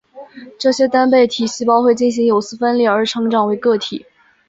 这些单倍体细胞会进行有丝分裂而成长为个体。